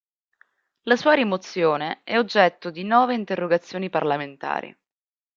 La sua rimozione è oggetto di nove interrogazioni parlamentari.